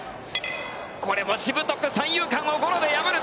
これもしぶとく三遊間をゴロで破る。